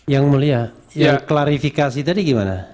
yang mulia yang klarifikasi tadi gimana